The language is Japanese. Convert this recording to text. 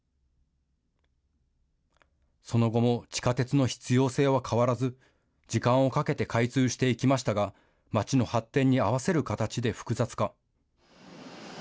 その後も地下鉄の必要性は変わらず、時間をかけて開通していきましたが、まちの発展に合わせる形で複雑化。